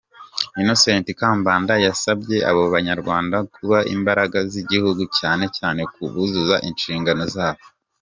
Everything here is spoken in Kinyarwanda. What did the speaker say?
Innocent Kabandana yasabye abo Banyarwanda kuba imbaraga z’igihugu cyane cyane buzuza inshingano zabo.